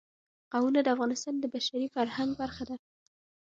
قومونه د افغانستان د بشري فرهنګ برخه ده.